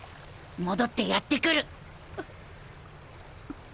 戻ってやってくる。